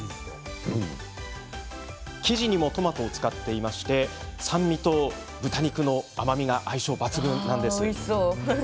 生地にもトマトを使っていまして酸味と豚肉の甘みが相性抜群です。